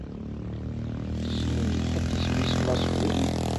Tessnem ḥedd isem-is Mass Green?